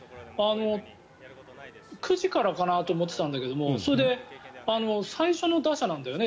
９時からかなと思ってたんだけどそれで、最初の打者なんだよね